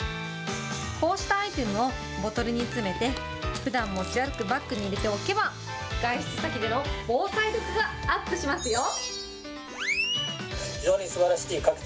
こうしたアイテムをボトルに詰めて、ふだん持ち歩くバッグに入れておけば、外出先での防災力がアップしますよ。